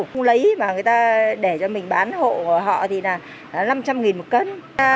không lấy mà người ta để cho mình bán hộ họ thì là năm trăm linh một cân